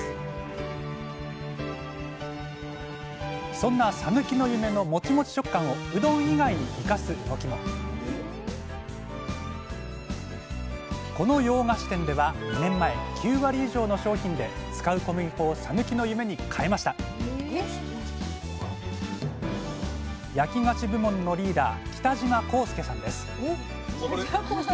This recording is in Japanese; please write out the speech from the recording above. そんなさぬきの夢のモチモチ食感をうどん以外に生かす動きもこの洋菓子店では２年前９割以上の商品で使う小麦粉をさぬきの夢に変えました焼き菓子部門のリーダー